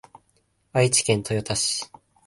愛知県豊田市